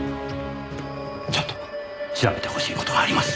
ちょっと調べてほしい事があります。